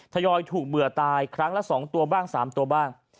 ทยอยถูกเบื่อตายครั้งละ๒ตัวบ้าง๓ตัวบ้าง